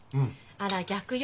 あら逆よ。